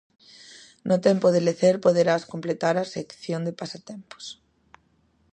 No tempo de lecer poderás completar a sección de Pasatempos.